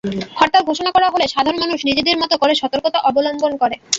হরতাল ঘোষণা করা হলে সাধারণ মানুষ নিজেদের মতো করে সতর্কতা অবলম্বন করে।